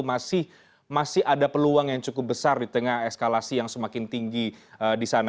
masih ada peluang yang cukup besar di tengah eskalasi yang semakin tinggi di sana